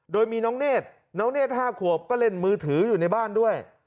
โดยมีน้องเนธน้องเนธ๕ขวบก็เล่นมือถืออยู่ในบ้านด้วย